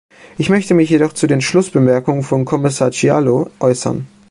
Ich möchte mich jedoch zu den Schlussbemerkungen von Kommissar Cioloş äußern.